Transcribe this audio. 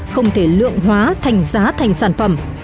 không thể lượng hóa thành giá thành sản phẩm